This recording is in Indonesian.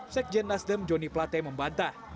sekjen nasdem joni plate membantah